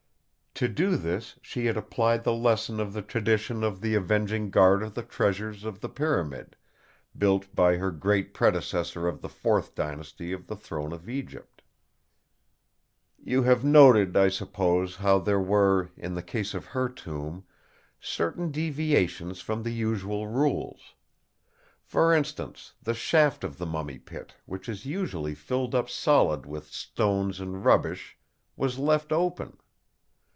To do this she had applied the lesson of the tradition of the avenging guard of the treasures of the pyramid, built by her great predecessor of the Fourth Dynasty of the throne of Egypt. "You have noted, I suppose, how there were, in the case of her tomb, certain deviations from the usual rules. For instance, the shaft of the Mummy Pit, which is usually filled up solid with stones and rubbish, was left open.